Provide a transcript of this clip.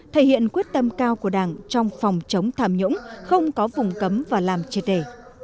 thể hiện quyết tâm cao của đảng trong phòng chống thảm nhũng không có vùng cấm và làm chê tể